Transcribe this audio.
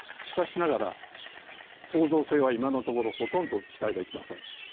しかしながら創造性は今のところほとんど期待できません。